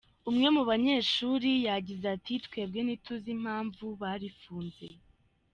Umwe mu banyeshuri yagize ati "Twebwe ntituzi n’impamvu barifunze.